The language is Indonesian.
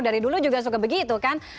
dari dulu juga suka begitu kan